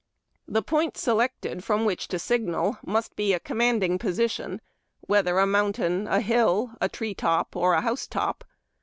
The point selected from which to signal must be a command ing position, whether a mountain, a hill, a tree top, or a house top.